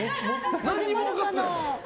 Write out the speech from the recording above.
何にも分かってない。